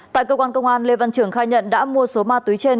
tại cơ quan công an lê văn trường khai nhận đã mua số ma túy trên